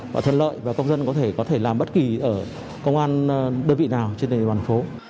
và thân lợi và công dân có thể làm bất kỳ ở công an đơn vị nào trên đoàn phố